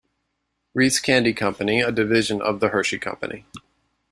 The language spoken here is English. Reese Candy Company, a division of The Hershey Company.